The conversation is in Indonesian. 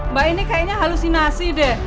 mbak ini kayaknya halusinasi deh